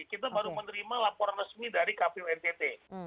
kita baru menerima laporan resmi dari kpu ntt